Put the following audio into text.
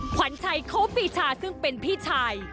ขวัญชัยโคปีชาซึ่งเป็นพี่ชาย